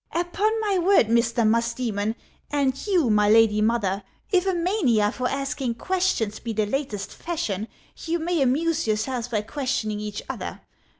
" Upon my word, Mr. Musdo:inon, and you, my lady mother, if a mania for asking questions be the latest fashion, you may amuse yourselves by questioning each other.